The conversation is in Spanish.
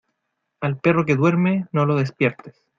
Al perro que duerme, no lo despiertes.